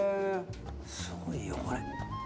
すごいよこれ。